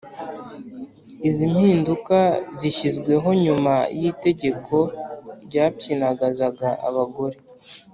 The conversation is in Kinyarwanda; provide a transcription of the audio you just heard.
izi mpinduka zishyizweho nyuma y’itegeko ryapyinagazaga abagore